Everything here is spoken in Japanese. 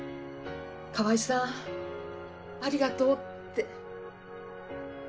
「川合さんありがとう」って。